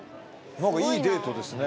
いいデートですね